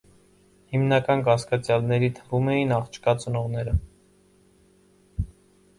Հիմնական կասկածյալների թվում էին աղջկա ծնողները։